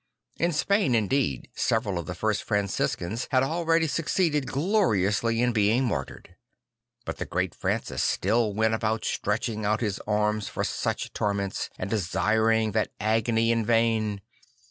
In Spain indeed several of the first Franciscans had already succeeded gloriously in being martyred. But the great Francis still went about stretching out his arms for such torments and desiring that agony in vain.